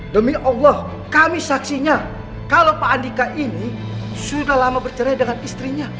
demi allah kami saksinya kalau pak andika ini sudah lama bercerai dengan istrinya